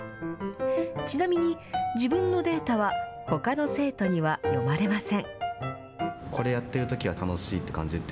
ちなみに自分のデータはほかの生徒には読まれません。